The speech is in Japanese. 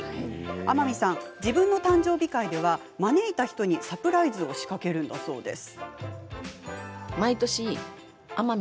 天海さん、自分の誕生日会では招いた人にサプライズを仕掛けるんだそうです。